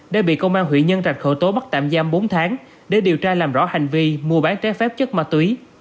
đã bị công an huyện nhân trạch khởi tố bắt tạm giam bốn tháng để điều tra làm rõ hành vi mua bán trái phép chất ma túy